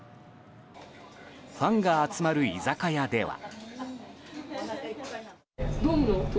ファンが集まる居酒屋では。